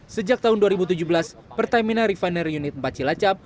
sejak tahun dua ribu tujuh belas pertamina refinery unit empat cilacap